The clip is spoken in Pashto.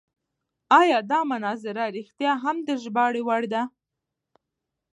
ایا دا مناظره رښتیا هم د ژباړې وړ ده؟